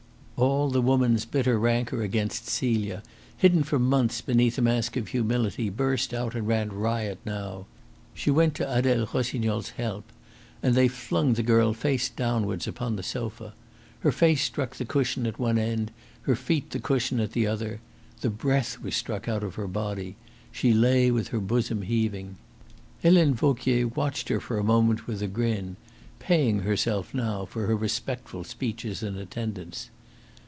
All the woman's bitter rancour against Celia, hidden for months beneath a mask of humility, burst out and ran riot now. She went to Adele Rossignol's help, and they flung the girl face downwards upon the sofa. Her face struck the cushion at one end, her feet the cushion at the other. The breath was struck out of her body. She lay with her bosom heaving. Helene Vauquier watched her for a moment with a grin, paying herself now for her respectful speeches and attendance.